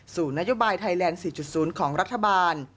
นโยบายไทยแลนด์๔๐ของรัฐบาล